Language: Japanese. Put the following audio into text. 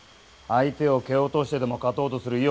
相手を蹴落としてでも勝とうとする意欲もない。